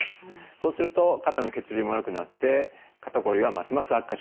そうすると肩の血流も悪くなって肩こりはますます悪化します。